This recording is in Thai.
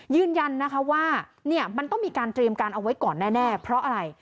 ยืนยันนะคะว่าเนี่ยมันต้องมีการเตรียมการเอาไว้ก่อนแน่เพราะอะไร